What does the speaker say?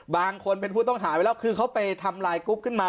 บางคนเป็นผู้ต้องหาไว้แล้วคือเขาไปทำลายกรุ๊ปขึ้นมา